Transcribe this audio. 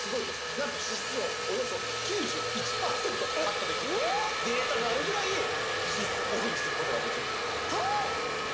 なんと脂質をおよそ９１パーセントカットできるというデータがあるぐらい脂質をオフにする事ができる。